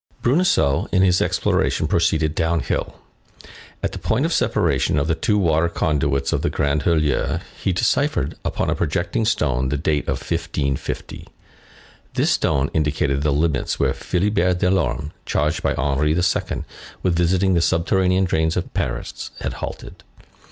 Bruneseau, in his exploration, proceeded down hill. At the point of separation of the two water conduits of the Grand Hurleur, he deciphered upon a projecting stone the date of 1550; this stone indicated the limits where Philibert Delorme, charged by Henri II. with visiting the subterranean drains of Paris, had halted.